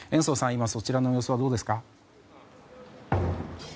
今、そちらの様子はどうですか？